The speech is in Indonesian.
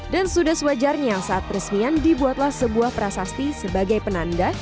dan sudah sewajarnya saat peresmian dibuatlah sebuah prasasti sebagai penanda